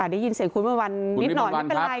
ได้ยินเสียงคุณเมื่อวันนิดหน่อยไม่เป็นไร